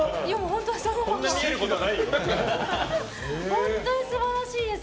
本当に素晴らしいです。